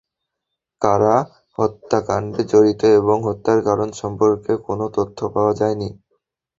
কারা হত্যাকাণ্ডে জড়িত এবং হত্যার কারণ সম্পর্কে কোনো তথ্য পাওয়া যায়নি।